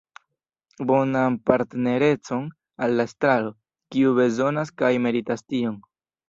Bonan partnerecon al la Estraro, kiu bezonas kaj meritas tion.